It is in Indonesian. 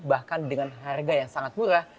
bahkan dengan harga yang sangat murah